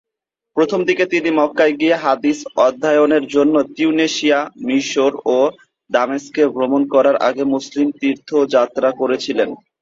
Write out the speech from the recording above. প্রথমদিকে, তিনি মক্কায় গিয়ে হাদীস অধ্যয়নের জন্য তিউনিসিয়া, মিশর ও দামেস্কে ভ্রমণ করার আগে মুসলিম তীর্থযাত্রা করেছিলেন।